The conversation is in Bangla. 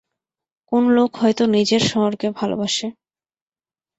কোন লোক হয়তো নিজের শহরকে ভালবাসে।